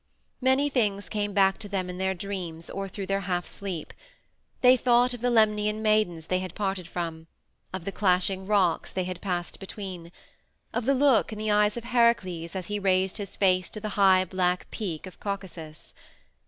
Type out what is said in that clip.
Many things came back to them in their dreams or through their half sleep: they thought of the Lemnian maidens they had parted from; of the Clashing Rocks they had passed between; of the look in the eyes of Heracles as he raised his face to the high, black peak of Caucasus.